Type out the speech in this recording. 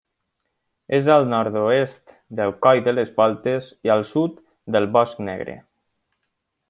És al nord-oest del Coll de les Voltes i al sud del Bosc Negre.